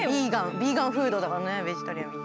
ヴィーガンフードだからねベジタリアン。